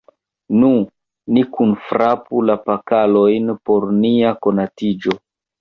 Nu, ni kunfrapu la pokalojn por nia konatiĝo!